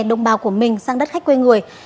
anh bà của mình sang đất khách quê người